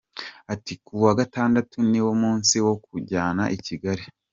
Ati “Kuwa Gatandatu ni wo munsi wo kuwujyana i Kigali.